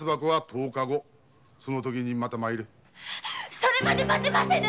それまで待てませぬ。